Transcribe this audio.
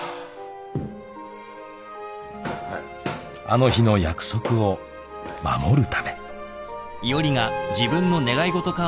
［あの日の約束を守るため］